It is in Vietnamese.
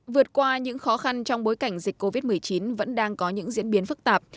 vượt qua những khó khăn trong bối cảnh dịch covid một mươi chín vẫn đang có những diễn biến phức tạp